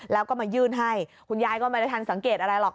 แล้วก็มายื่นให้คุณยายก็ไม่ได้ทันสังเกตอะไรหรอก